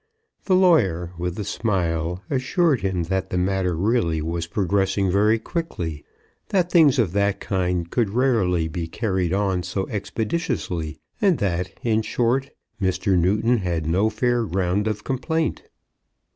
The lawyer, with a smile, assured him that the matter really was progressing very quickly, that things of that kind could rarely be carried on so expeditiously; and that, in short, Mr. Newton had no fair ground of complaint.